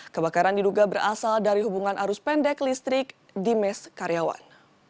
kebakaran diduga berasal dari hubungan arus pendek listrik di mes karyawan